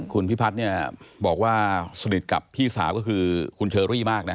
คุณพิพัฒน์เนี่ยบอกว่าสนิทกับพี่สาวก็คือคุณเชอรี่มากนะ